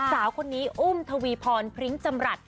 สาวคนนี้อุ้มทวีพรพริ้งจำรัฐ